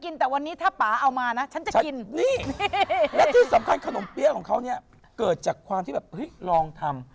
สวัสดีครับป่าของ